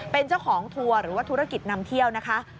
เป็นเจ้าของทัวร์หรือว่าธุรกิจนำเที่ยวนะคะ